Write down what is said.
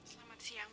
selamat siang pak